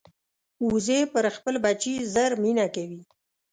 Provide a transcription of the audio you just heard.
وزې پر خپل بچي ژر مینه کوي